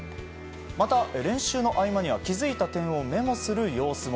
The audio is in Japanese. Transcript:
また練習の合間には気づいた点をメモする様子も。